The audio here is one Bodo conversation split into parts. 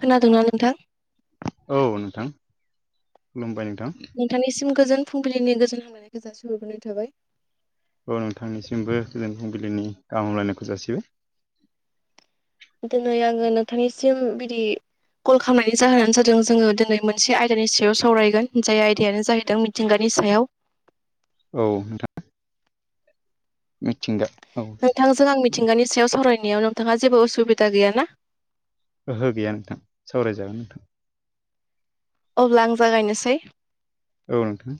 खोनादोंना नोंथां औ नोंथां खुलुमबाय नोंथां नोंथांनिसिम गोजोन फुंबिलिनि गोजोन हामलायनायखौ जासिहरग्रोनाय थाबाय औ नोंथांनिसिमबो गोजोन फुंबिलिनि गाहाम हामलायनायखौ जासिबाय दिनै आङो नोंथांनिसिम बिदि कल खालामनायनि जाहोनानो जादों जोङो दिनै मोनसे आयदानि सायाव सावरायगोन जाय आयदायानो जाहैदों मिथिंगानि सायाव औ नोंथां मिथिंगा औ नोंथांजों आं मिथिंगानि सायाव सावरायनायाव नोंथाङा जेबो असुबिदा गैया ना ओहो गैया नोंथां सावरायजागोन नोंथां अब्ला आं जागायनोसै। औ नोंथां।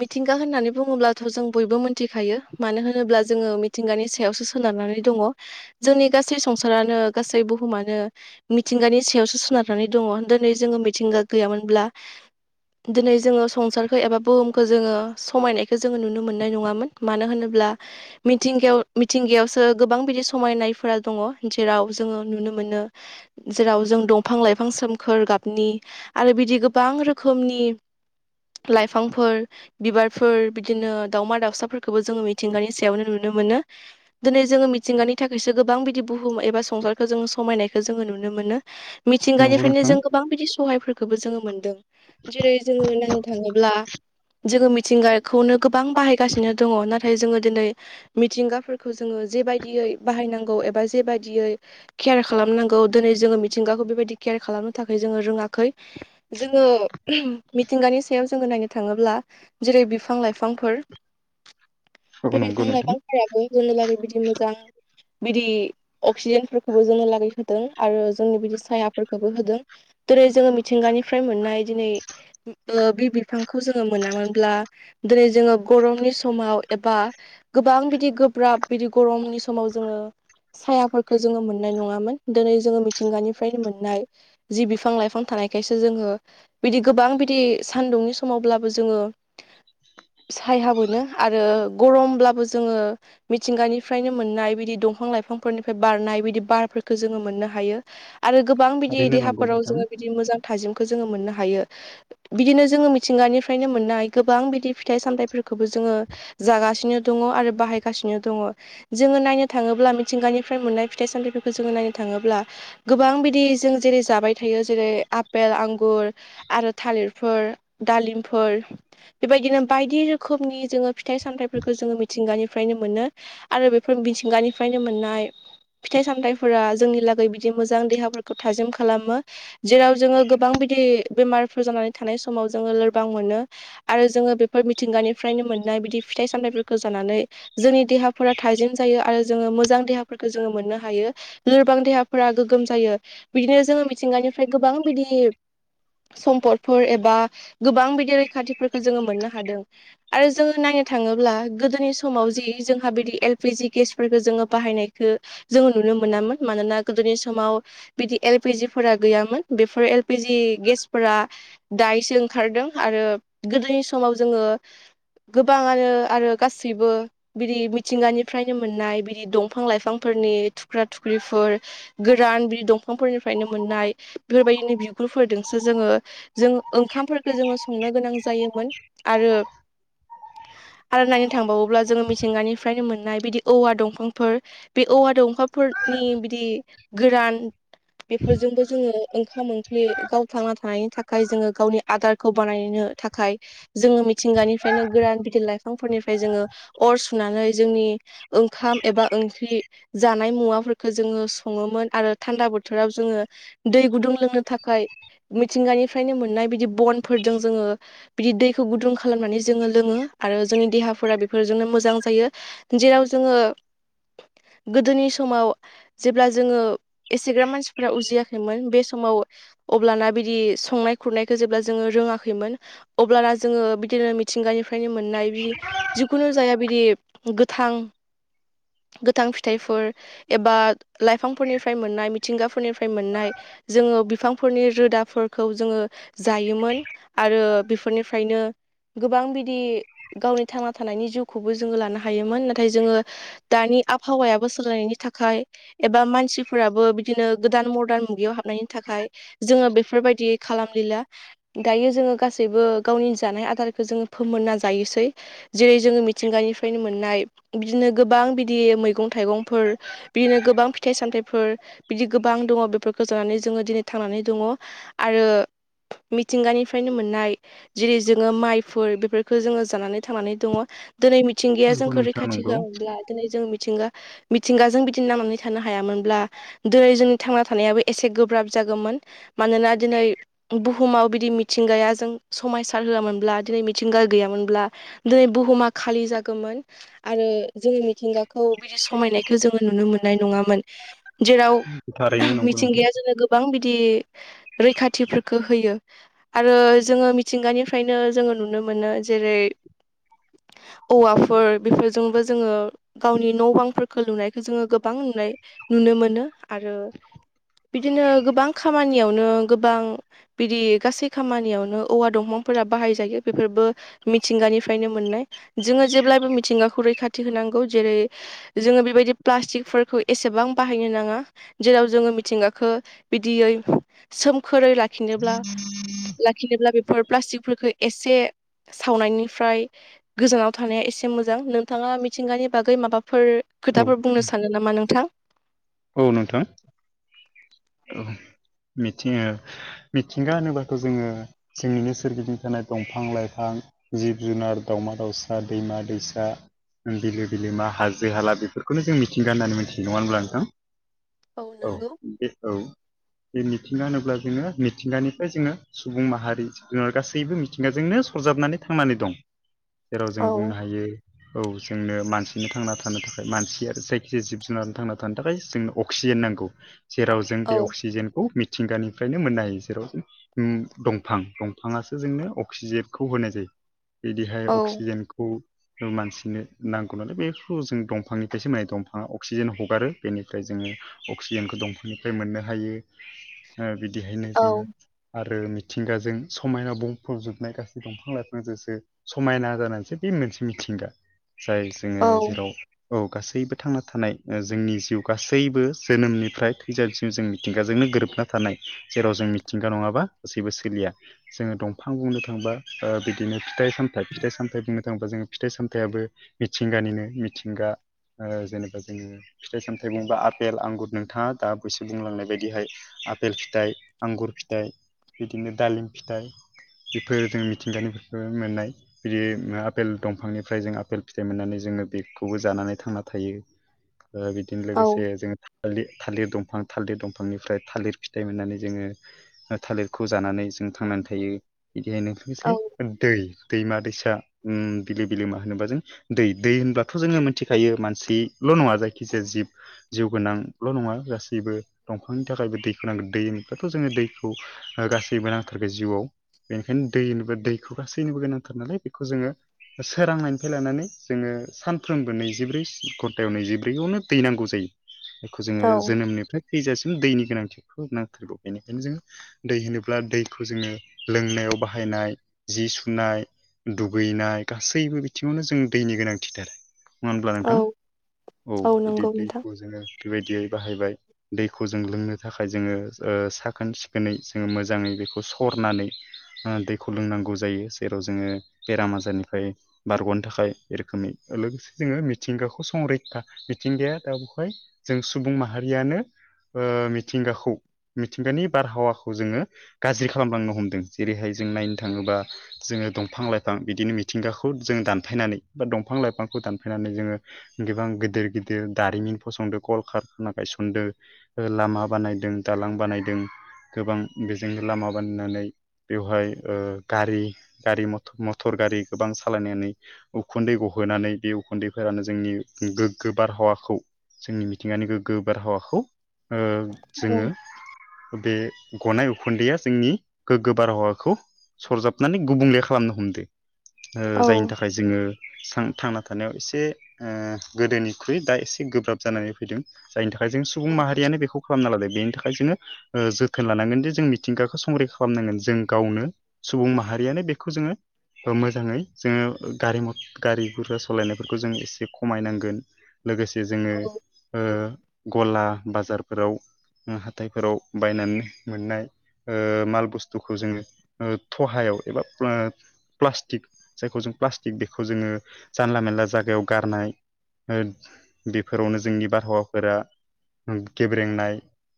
मिथिंगा होननानै बुङोब्लाथ' जों बयबो मिथिखायो मानो होनोब्ला जोङो मिथिंगानि सायावसो सोनारानानै दङ जोंनि गासै संसारानो गासै बुहुमानो मिथिंगानि सायावसो सोनारनानै दङ दिनै जोङो मिथिंगा गैयामोनब्ला। दिनै जोङो संसारखौ एबा बुहुमखौ खौ जोङो समायनायखौ जोङो नुनो मोननाय नङामोन मानो होनोब्ला मिथिंगायाव मिथिंगायावसो गोबां बिदि समायनायफोरा दङ जेराव जोङो नुनो मोनो। जेराव जों दंफां लाइफां सोमखोर गाबनि आरो बिदि गोबां रोखोमनि लाइफांफोर बिबारफोर बिदिनो दाावमा दाउसाफोरखौबो जोङो मिथिंगानि सायावनो नुनो मोनो। दिनै जोङो मिथिंगानि थाखायसो गोबां बिदि बुहुम एबा संसारखौ जोङो समायनायखौ जोङो नुनो मोनो। नंगौ मिथिंगानिफ्रायनो नोंथां जों गोबां बिदि सहायफोरखौबो जोङो मोनदों जेरै जोङो नायनो थाङोब्ला। जोङो मिथिंगाखौनो गोबां बाहायगासिनो दङ नाथाय जोङो दिनै मिथिंगाफोरखौ जोङो जेबायदियै बाहायनांगौ एबा जेबायदियैहा केयार खालामनांगौ दिनै जोङो मिथिंगाखौ बेबायदि केयार खालामनो थाखाय जोङो रोङाखै। जोङो मिथिंगानि सायाव जोङो नायनो थाङोब्ला। जेरै बिफां-लाइफांफोर औ बे नंगौ नोंथां बिफां-लाइफां हाबो होननो लागै बिदि मोजां बिदि अक्सिजेनफोरखौबो जोंनो लागै होदों आरो जोंनि बिदि सायाफोरखौबो होदों। दिनै जोङो मिथिंगानिफ्राय मोननाय दिनै बे बिफांखौ जोङो। मोनामोनब्ला दिनै जोङो गरमनि समाव एबा ओ गोबां बिदि गोब्राब बिदि गरमनि समाव जोङो सायाफोरखौ जोङो मोननाय नङामोन दिनै जोङो मिथिंगानिफ्रायनो मोननाय जि बिफां लाइफां थानायखायसो जोङो बिदि गोबां बिदि सानदुंनि समावब्लाबो जोङो सायहा मोनो आरो गरमब्लाबो जोङो मिथिंगानिफ्रायनो मोननाय बिदि दंफां लाइफांफोरनिफ्राय बारनाय बिदि बारफोरखौ जोङो मोननो हायो। आरो गोबां बिदि थारैनो नंगौ देहाफोराव नोंथां जोङो बिदि मोजां थाजिमखौ जोङो मोननो हायो बिदिनो जोङो मिथिंगानिफ्राय फ्रायनो मोननाय गोबां बिदि फिथाइ सामथाइफोरखौबो जोङो जागासिनो दङ आरो बाहायगासिनो दङ। जोङो नायनो थाङोब्ला मिथिंगानिफ्राय मोननाय फिथाइ-सामथायफोरखौ जोङो नायनो थाङोब्ला। गोबां बिदि जों जेरै जाबाय थायो जेरै आफेल, आंगुर आरो थालिरफोर, दालिमफोर बेबायदिनो बायदि रोखोमनि जोङो फिथाइ सामथायाइफोरखौ जोङो मिथिंगानिफ्रायनो मोनो। आरो बेफोर मिथिंगानिफ्रायनो मोननाय फिथाइ-सामथाइफोरा जोंनि लागै बिदि मोजां देहाफोरखौ थाजिम खालामो। जेराव जोङो गोबां बिदि बेमारफोर जानानै थानाय समाव जोङो लोरबां मोनो। आरो जोङो बेफोर मिथिंगानिफ्रायनो मोननाय बिदि फिथाइ-सामथाइफोरखौ जानानैनो जोंनि देहाफोरा थाजिम जायो आरो जोङो मोजां देहाफोरखौ जोङो मोननो हायो। लोरबां देहाफोरा गोगोम जायो बिदिनो जोङो मिथिंगानिफ्राय गोबां बिदि सम्पदफोर एबा गोबां बिदि रैखाथिफोरखौ जोङो मोननो हादों। आरो जोङो नायनो थाङोब्ला गोदोनि समाव जि जोंहा बिदि एलपिजि गेसफोरखौ जोङो बाहायनायखौ। जोङो नुनो मोनामोन मानोना गोदोनि समाव बिदि एलपिजिफोरा गैयामोन बेफोर एलपिजि गेसफोरा दायो जों ओंखारदों आरो गोदोनि समाव जोङो गोबाङानो आरो गासैबो। बिदि मिथिंगानिफ्रायनो मोननाय बिदि दंफां-लाइफांफोरनि थुख्रा-थुख्रिफोर गोरान बिदि दंफांफोरनिफ्रायनो मोननाय बेफोरबायदिनो बिगुरफोरजोंसो जोङो। जों ओंखामफोरखौ जोङो संनो गोनां जायोमोन आरो। आरो नायनो थांबावोब्ला जोङो मिथिंगानिफ्रायनो मोननाय बिदि औवा दंफांफोर ओ बे औवा दंफांफोरनि बिदि गोरान बेफोरजोंबो जोङो ओंखाम ओंख्रि गाव थांना थानायनि थाखाय जोङो गावनि आदारखौ बानायनो थाखाय जोङो मिथिंगानिफ्रायनो गोरान गिदिर लाइफांफोरनिफ्राय जोङो अर सुनानै जोंनि ओंखाम एबा ओंख्रि जानाय मुवाफोरखौ जोङो सङोमोन आरो थान्दा बोथोराव जोङो दै गुदुं लोंनो थाखाय मिथिंगानिफ्रायनो मोननाय बिदि बनफोरजों जोङो बिदि दैखौ गुदुं खालामनानै जोङो लोङो आरो जोंनि देहाफोरा बेफोरजोंनो मोजां जायो जेराव जोङो गोदोनि समाव जेब्ला जोङो एसेग्राब मानसिफ्रा उजियाखैमोन बे समाव अब्लाना बिदि संनाय खुरनायखौ जेब्ला जोङो रोङाखैमोन अब्लाना जोङो बिदिनो मिथिंगानिफ्रायनो मोन नाय बि जिखुनु जाया बिदि गोथां गोथां फिथाइफोर एबा लाइफांफोरनिफ्राय मोननाय मिथिंगाफोरनिफ्राय मोननाय जोङो बिफांफोरनि रोदाफोरखौ जोङो जायोमोन आरो बे निफ्रायनो गोबां बिदि गावनि थांना थानायनि जिउखौबो जोङो लानो हायोमोन नाथाय जोङो दानि आबहावायाबो सोलायनायनि थाखाय एबा मानसिफोराबो बिदिनो गोदान मदार्न मुगायाव हाबनायनि नि थाखाय जोङो बेफोरबायदियै खालामलिया दायो जोङो गासैबो गावनि जानाय आदारखौ जोङो फोमोनना जायोसै जेरै जोङो मिथिंगानिफ्रायनो मोननाय बिदिनो गोबां बिदि मै गं थाइगंफोर बिनो गोबां फि थाइ सामथाइफोर बिदि गोबां दङ बेफोरखौ जानानै जोङो दिनै थांनानै दङ आरो मिथिंगानिफ्रायनो मोननाय जेरै जोङो माइफोर बेफोरखौ जोङो जानानै थांनानै दङ दिनै मिथिंगाया नंगौ जोंखौ नोंथां रैखाथि नंगौ होआब्ला दिनै जों मिथिंगा मिथिंगाजों बिदि नांनानै थानो हायामोनब्ला दिनै जोंनि थांना थानायाबो एसे गोब्राब जागौमोन मानोना दिनै बुहुमाव बिदि मिथिंगायााजों समायसार होयामोनब्ला दिनै मिथिंगा गैयामोनब्ला दिनै बुहुमा खालि जागौमोन आरो जोङो मिथिंगाखौ बिदि समायनायखौ जोङो नुनो मोननाय नङामोन जेराव थारैनो नंगौ नोंथां मिथिंगाया जोङो गोबां बिदि रैखाथिफोरखौ होयो आरो जोङो मिथिंगानिफ्रायनो जोङो नुनो मोनो जेरै औवाफोर बेफोरजोंबो जोङो गावनि न' बांफोरखौ लुनायखौ जोङो गोबां नुनाय नुनो मोनो आरो बिदिनो गोबां खामानियावनो गोबां बिदि गासै खामानियावनो औवा दंफांफोरा बाहायजायो बेफोरबो मिथिंगानिफ्रायनो मोननाय जोङो जेब्लायबो मिथिंगाखौ रैखाथि होनांगौ जेरै जोङो बेबायदि प्लास्टिकफोरखौ एसेबां बाहायनो नाङा जेराव जोङो मिथिंगाखौ बिदियै सोमखोरै लाखिनोब्ला लाखिनोब्ला बेफोर प्लास्टिकफोरखौ एसे सावनायनिफ्राय गोजानाव थानाया एसे मोजां नोंथाङा मिथिंगानि बागै माबाफोर औ खोथाफोर बुंनो सानो नामा नोंथां औ नोंथां औ मिथिंगा मिथिंगा होनोब्लाथ' जोङो जोंनिनो सोरगिदिं थानाय दंफां लाइफां जिब जुनार दाउमा दाउसा दैमा दैसा बिलो बिलो मा हाजो हाला बेफोरखौनो जों मिथिंगा होननानै मिथियो नङा होनब्ला नोंथां औ बे औ बे मिथिंगा होनोब्ला जोङो मिथिंगानिफ्राय जोङो सुबुं माहारि जिब जुनार गासैबो मिथिंगाजोंनो सरजाबनानै थांनानै दं जेराव जों औ बुंनो हायो औ जोंनो मानसिनो थांना थानो थाखाय मानसिया जायखिजाया जिब जुनार थांना थानो थाखाय जोंनो अ अक्सिजेन नांगौ जेराव जों बे औ अक्सिजेनखौ मिथिंगानिफ्रायनो मोननो हायो जेराव जों उम दंफां दंफाङासो जोंनो अक्सिजेनखौ होनाय जायो बिदिहाय औ अक्सिजेनखौ मानसिनो नांगौ नालाय बेखौ जों दंफांनिफ्रायसो माने दंफाङा अक्सिजेन हगारो बेनिफ्राय जोङो अक्सिजेनखौ दंफांनिफ्राय मोननो हायो बिदिहायनो औ जोङो आरो मिथिंगाजों समायना बुंफबजोबनाय गासै दंफां लाइफांजोंसो समायना जानानैसो बे मोनसे मिथिंगा जाय जोङो औ जेराव औ गासैबो थांना थानाय जोंनि जिउ गासैबो जोनोमनिफ्राय थैजासिम जोंनि मिथिंगाजोंनो गोरोबना थानाय जेराव जों मिथिंगा नङाबा गासैबो सोलिया जोङो दंफां बुंनो थांबा बिदिनो फिथाइ सामथाइ फिथाइ सामथाइ बुंनो थाङोबा जोङो फिथाइ सामथायाबो मिथिंगानिनो मिथिंगा ओ जेनेबा जोङो फिथाइ सामथाइ बुंबा आपेल आंगुर नोंथाङा दा बैसे बुंलांनाय बाय दिहाय आपेल फिथाइ आंगुर फिथाइ बिदिनो दालिम फिथाइ बेफोर जों मिथिंगानिफ्रायबो मोननाय बियो आपेल दंफांनिफ्राय जों आपेल फिथाइ मोननानै जोङो बेखौबो जानानै थांना थायो ओ बिथिं औ लोगोसे जोङो थालि थालिर दंफां थालिर दं फांनिफ्राय थालिर फिथाइ मोननानै जोङो ओ थालिरखौ जानानै जों थांनानै थायो बिदिहायनो लोगोसे औ दै दैमा दैसा उम बिलो बिलोमा होनोबा जों दै दै होनब्लाथ' जोङो मिथिखायो मानसिल' नङा जायखिजाया जिब जिउ गोनांल' नङा गासैबो दंफांनि थाखायबो दैखौ नांगोन दैनिफ्रायथ' जोङो दैखौ गासैबो नांथारगो जिउआव बेनिखायनो दैनोबो दैखो गासैनोबो गोनांथार नालाय बेखौ जोङो सोरांनायनिफ्राय लानानै जोङो सानफ्रोमबो नैजिब्रै घन्टायाव नैजिब्रैयावनो दै नांगौ जायो [inaudible] खौ जोङो जोनोमनिफ्राय थैजासिम दैनि गोनांथिखौ नांथारगौ बेनिखायनो जोङो दै होनोब्ला दैखौ जोङो लोंनायाव बाहायनाय जि सुनाय दुगैनाय गासैबो बिथिङावनो जों दैनि गोनांथिथार नङा होमब्ला औ नोंथां औ औ नंगौ बिदि नोंथां दैखौ जोङो बेबायदियै बाहायबाय दैखौ जों लोंनो थाखाय जोङो ओ साखोन सिखोनै जोङो मोजाङै बेखौ सरनानै ओ दैखौ लोंनांगौ जायो जेराव जोङो बेराम आजारनिफ्राय बारग'नो थाखाय बेरोखोमनि लोगोसे जोङो मिथिंगाखौ संरैखा मिथिंगाया दा बेवहाय जों सुबुं माहारियानो ओ मिथिंगाखौ मिथिंगानि बारहावाखौ जोङो गाज्रि खालामलांनो हमदों जेरैहाय जों नायनो थाङोबा जोङो दंफां लाइफां बिदिनो मिथिंगाखौ जों दानफायनानै बा दंफां लाइफांखौ दानफायनानै जोङो गोबां गिदिर गिदिर दारिमिन फसंदों कल कारखाना गायसनदों ओ लामा बानायदों दालां बानायदों गोबां बेजोंनो लामा बानायनानै बेवहाय ओ गारि गारि मटर गारि गोबां सालायनानै उखुन्दै गहोनानै बे उखुन्दैफोरानो जोंनि गोग्गो बारहावाखौ जोंनि मिथिंगानि गोग्गो बारहावाखौ ओ औ जोङो बे गनाय उखुन्दैया जोंनि गोग्गो बारहावाखौ सरजाबनानै गुबुंले खालामनो हमदो ओ औ जायनि थाखाय जोङो सां थांना थानायाव एसे ओ गोदोनिख्रुइ दा एसे गोब्राब जानानै फैदों जायनि थाखाय जों सुबुं माहारियानो बेखौ खालामना लादो बेनि थाखाय जोङो ओ जोथोन लानांगोन जे जों मिथिंगाखौ संरैखा खालामनांगोन जों गावनो सुबुं माहारियानो बेखौ जोङो ओ मोजाङै जोङो गारि मटर गारि गुरजा सालायनायफोरखौ जों एसे खमायनांगोन लोगोसे जोङो ओ गला बाजारफोराव उम हाथायफोराव बायनानै मोननाय ओ माल बुस्थुखौ जोङो थहायाव एबा प्लास्टिक जायखौ जों प्लास्टिक बेखौ जोङो जानला मानला जागायाव गारनाय ओ बेफोरावनो जोंनि बारहावाफोरा गेब्रेंनाय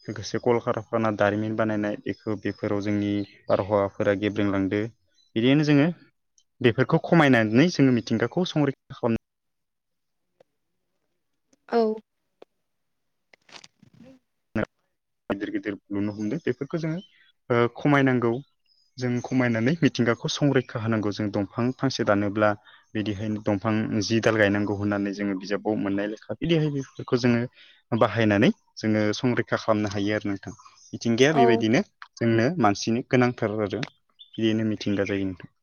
लोगोसे कल कारखाना दारिमिन बानायनाय एखौ बेफोराव जोंनि बारहावाफोरा गेब्रेंलांदो बिदिनो जोङो बेफोरखौ खमायनानै जोङो मिथिंगाखौ संरैखा खालाम औ गिदिर गिदिर लुनो हमदों बेफोरखौ जोङो ओ खमायनांगौ जों खमायनानै मिथिंगाखौ संरैखा होनांगौ जों दंफां फांसे दानोब्ला बिदिहायनो दंफां जि दाल गायनांगौ होननानै जोङो बिजाबाव मोननाय लेखा बिदिहाय बेफोरखौ जोङो बाहायनानै जोङो संरैखा खालामनो हायो आरो नोंथां मिथिंगाया औ बेबायदिनो जोंनो मानसिनि गोनांथार जादों बेनो मिथिंगा जायो नोंथां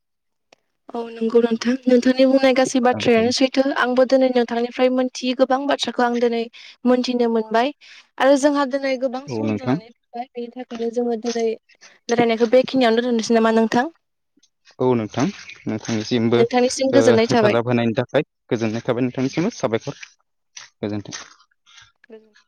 औ नंगौ नोंथां नोंथांनि बुंनाय गासै नोंथां बाथ्रायानो सै थो आंबो दिनै नोंथांनिफ्राय मोनथियै गोबां बाथ्राखौ आं दिनै मोनथिनो मोनबाय आरो जोंहा दिनै गोबां औ सम नोंथां जानानै फैबाय बेनि थाखायनो जोङो दिनै रायलायनायखौ बेखिनियावनो दोनथ'नोसै नामा नोंथां औ नोंथां नोंथांनिसिमबो नोंथांनिसिम ओ गोजोननाय थाबाय हेफाजाब होनायनि थाखाय गोजोननाय थाबाय नोंथांनिसिमबो साबायखर गोजोनथों गो [unintelligible]